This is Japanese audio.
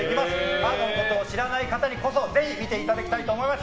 アートのことを知らない方にこそぜひ見ていただきたいと思います。